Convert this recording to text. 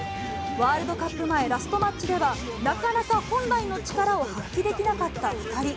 ワールドカップ前、ラストマッチではなかなか本来の力を発揮できなかった２人。